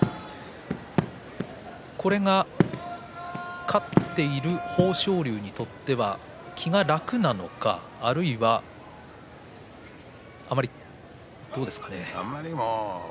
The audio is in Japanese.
これは勝っている豊昇龍にとっては気が楽なのかあるいは、どうですかね？